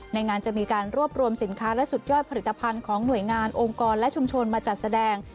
ในงานจะมีการรวบรวมสินค้าและสุดยอดผลิตภัณฑ์ของหน่วยงานองค์กรและชุมชนมาจัดแสดง